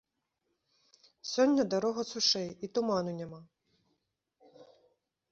Сёння дарога сушэй, і туману няма.